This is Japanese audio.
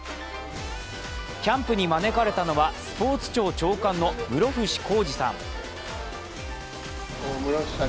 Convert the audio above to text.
キャンプに招かれたのはスポーツ庁長官の室伏広治さん。